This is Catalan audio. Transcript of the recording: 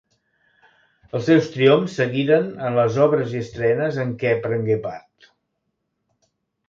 Els seus triomfs seguiren en les obres i estrenes en què prengué part.